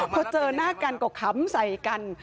พอเจอหน้ากันก็ขำใส่กัน